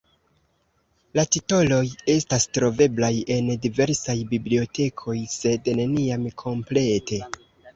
La titoloj estas troveblaj en diversaj bibliotekoj, sed neniam komplete.